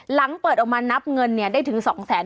หลังเปิดออกมานับเงินได้ถึง๒แสน